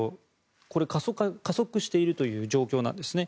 これは加速しているという状況なんですね。